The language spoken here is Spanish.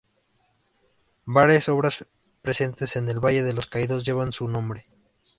Varias obras presentes en el Valle de los Caídos llevan su nombre.